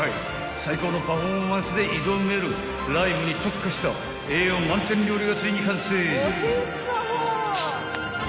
［最高のパフォーマンスで挑めるライブに特化した栄養満点料理がついに完成］